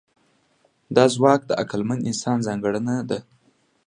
دا ځواک د عقلمن انسان ځانګړنه ده.